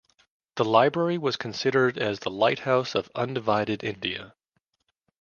The library was considered as the Lighthouse of undivided India.